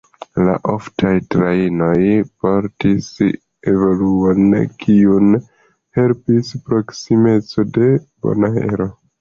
La oftaj trajnoj portis evoluon, kiun helpis proksimeco de Bonaero.